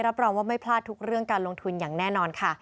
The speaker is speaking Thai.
รับรองว่าไม่พลาดทุกเรื่องการลงทุนอย่างแน่นอนค่ะ